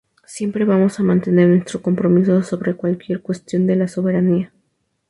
Siempre vamos a mantener nuestro compromiso sobre cualquier cuestión de la soberanía.